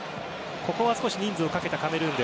ここは人数をかけたカメルーン。